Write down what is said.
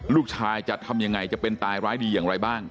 ลูกชายจะทำยังไงจะเป็นตายร้ายดีอย่างไรบ้าง